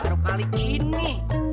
taruh kali ini